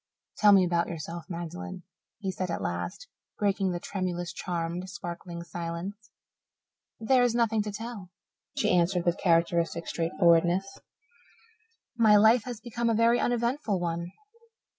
"Tell me about yourself, Magdalen," he said at last, breaking the tremulous, charmed, sparkling silence. "There is nothing to tell," she answered with characteristic straightforwardness. "My life has been a very uneventful one.